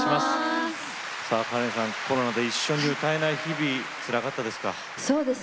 コロナで一緒に歌えない日々つらかったですか？